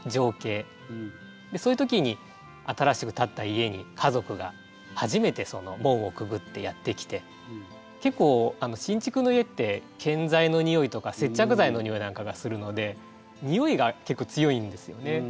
そういう時に新しく建った家に家族が初めて門をくぐってやって来て結構新築の家って建材のにおいとか接着剤のにおいなんかがするのでにおいが結構強いんですよね。